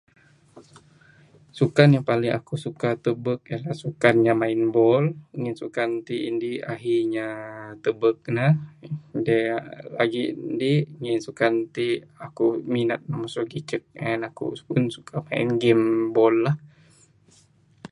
Sukan ya paling aku suka tebek ialah sukan nya main ball, ngin sukan ti indi ahi inya tebek ne, aaa lagi di inya suka sukan ti aku minat masu gicek, hen aku suka main game ball aaa .